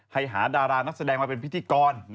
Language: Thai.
หาดารานักแสดงมาเป็นพิธีกร